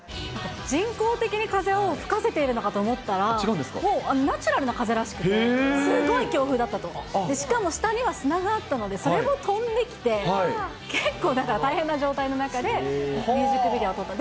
人工的に風を吹かせているのかと思ったら、もうナチュラルな風らしくて、すごい強風だったと、しかも、下には砂があったので、それも飛んできて、結構なんか、大変な状態の中で、ミュージックビデオを撮った。